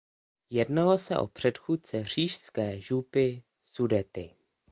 Jednalo se o předchůdce Říšské župy Sudety.